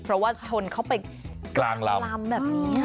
เพราะว่าชนเข้าไปกลางลำแบบนี้